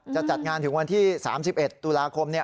จัดงานถึงวันที่๓๑ตุลาคม